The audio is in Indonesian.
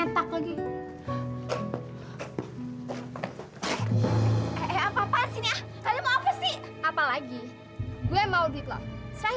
kamu gak apa apa kan